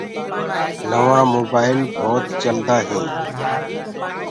نوآ مونآئيل بوت چلدآ هينٚ